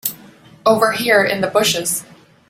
Over here in the bushes.